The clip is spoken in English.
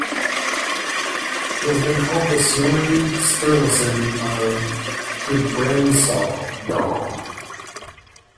He has been called the Snorri Sturlason of Gudbrandsdal.